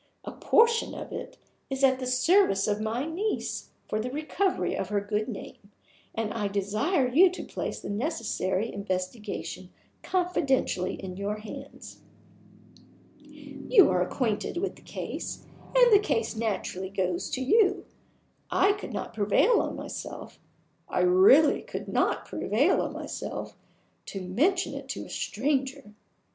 A portion of it is at the service of my niece for the recovery of her good name; and I desire to place the necessary investigation confidentially in your hands. You are acquainted with the case, and the case naturally goes to you. I could not prevail on myself I really could not prevail on myself to mention it to a stranger.